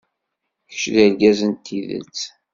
Kečč d argaz n tidet.